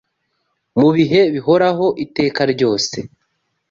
Mu bihe bihoraho iteka ryose